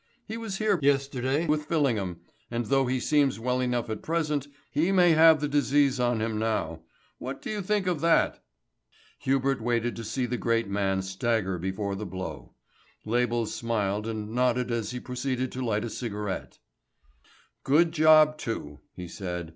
"He was here yesterday with Fillingham, and, though he seems well enough at present, he may have the disease on him now. What do you think of that?" Hubert waited to see the great man stagger before the blow. Label smiled and nodded as he proceeded to light a cigarette. "Good job too," he said.